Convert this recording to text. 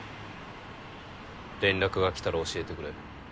連絡が来たら教えてくれ。